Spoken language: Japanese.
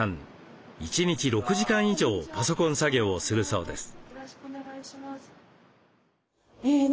１日６時間以上パソコン作業をするそうです。